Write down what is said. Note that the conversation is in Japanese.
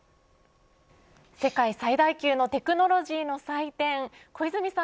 世界最大級のテクノロジーの祭典小泉さん